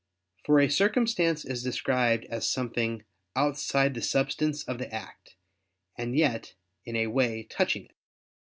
For a circumstance is described as something outside the substance of the act, and yet in a way touching it.